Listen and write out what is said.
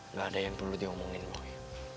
nggak ada yang perlu diomongin pokoknya